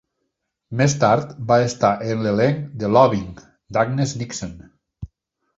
Més tard va estar en l'elenc de "Loving", d'Agnes Nixon.